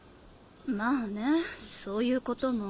まぁねそういうことも。